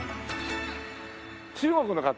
中国の方？